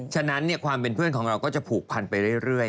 ฉะนั้นความเป็นเพื่อนของเราก็จะผูกพันไปเรื่อย